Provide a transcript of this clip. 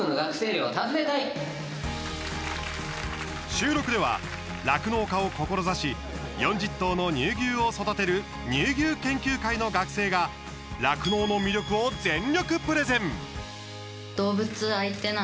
収録では、酪農家を志し４０頭の乳牛を育てる乳牛研究会の学生が酪農の魅力を全力プレゼン。